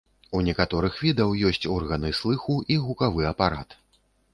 У некаторых відаў ёсць органы слыху і гукавы апарат.